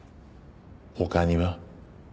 他には？